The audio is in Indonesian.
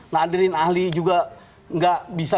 ngadirin ahli juga nggak bisa